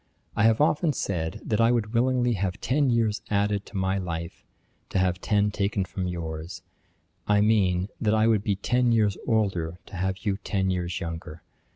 I have often said, that I would willingly have ten years added to my life, to have ten taken from yours; I mean, that I would be ten years older to have you ten years younger.